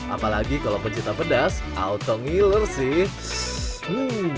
apalagi kalau pencinta pedas auto ngiler sih